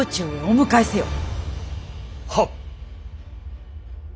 はっ！